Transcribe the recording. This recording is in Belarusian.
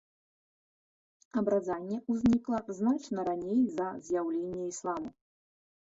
Абразанне ўзнікла значна раней за з'яўленне ісламу.